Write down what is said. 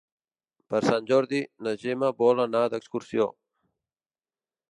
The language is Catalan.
Per Sant Jordi na Gemma vol anar d'excursió.